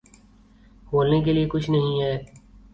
بولنے کے لیے کچھ نہیں ہے